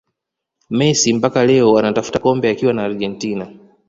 Messi mpaka leo anatafuta kombe akiwa na Argentina